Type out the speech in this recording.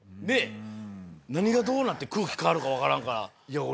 何がどうなって空気変わるか分からんから。